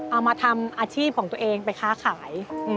เอามาทำอาชีพของตัวเองไปค้าขาย